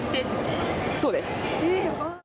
そうです。